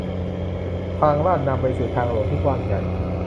ทางลาดนำไปสู่ทางหลวงที่กว้างใหญ่